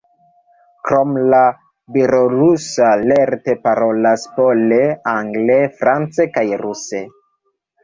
Krom la belorusa lerte parolas pole, angle, france kaj ruse.